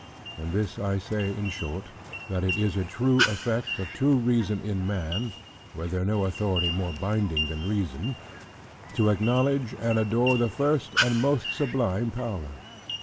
And this I say in short; that it is a true effect of true reason in man (were there no authority more binding than reason) to acknowledge and adore the first and most sublime power.